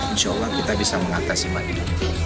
insya allah kita bisa mengatasi mandiri